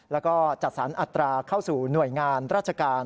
แล้วก็จัดสรรอัตราเข้าสู่หน่วยงานราชการ